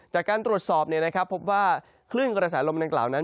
จากการตรวจสอบเนี่ยนะครับพบว่าคลื่นกระแสลมนั้นกล่าวนั้น